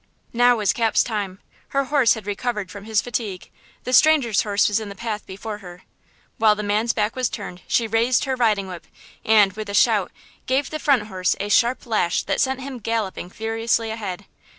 Now was Cap's time. Her horse had recovered from his fatigue. The stranger's horse was in the path before her. While the man's back was turned she raised her riding whip and, with a shout, gave the front horse a sharp lash that sent him galloping furiously ahead.